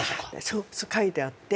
そう書いてあって。